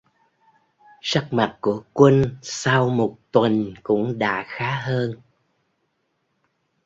Sắc mặt của quân sau một tuần cũng đã khá hơn